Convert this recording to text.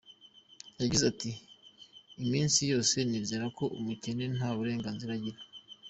Yagize ati “Iminsi yose nizera ko umukene nta burenganzira agira.